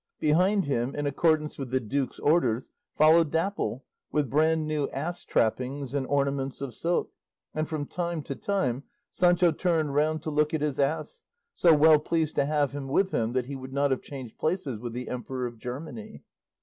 Behind him, in accordance with the duke's orders, followed Dapple with brand new ass trappings and ornaments of silk, and from time to time Sancho turned round to look at his ass, so well pleased to have him with him that he would not have changed places with the emperor of Germany.